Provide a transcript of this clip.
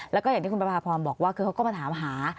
แล้วก็อย่างที่คุณประพาพรบอกว่าคือเขาก็มาถามหา